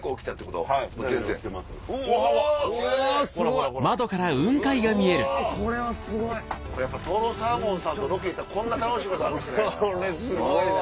とろサーモンとロケ行ったらこんな楽しいことあるんすね！